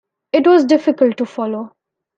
It was difficult to follow.